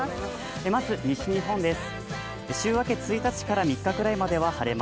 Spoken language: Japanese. まず西日本です。